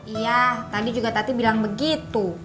iya tadi juga tati bilang begitu